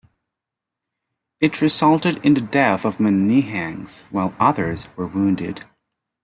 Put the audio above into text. It resulted in the death of many Nihangs, while others were wounded.